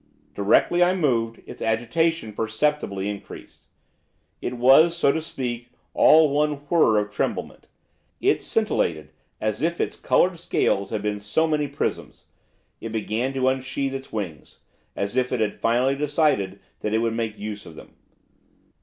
Directly I moved, its agitation perceptibly increased, it was, so to speak, all one whirr of tremblement; it scintillated, as if its coloured scales had been so many prisms; it began to unsheath its wings, as if it had finally decided that it would make use of them.